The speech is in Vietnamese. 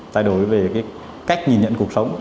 thay đổi về cái cách nhìn nhận cuộc sống